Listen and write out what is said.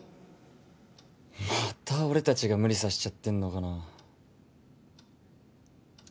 また俺達が無理させちゃってんのかな